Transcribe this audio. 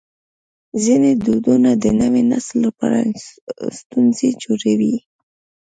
ځینې دودونه د نوي نسل لپاره ستونزې جوړوي.